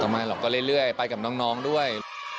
ไม่หรอกก็เรื่อยไปกับน้องด้วย